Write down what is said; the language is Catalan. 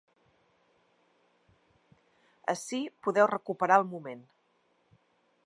Ací podeu recuperar el moment.